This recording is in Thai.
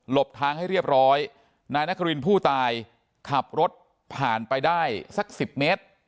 บทางให้เรียบร้อยนายนครินผู้ตายขับรถผ่านไปได้สัก๑๐เมตร